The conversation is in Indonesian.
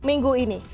di minggu ini